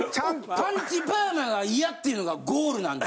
パンチパーマが嫌っていうのがゴールなんだ。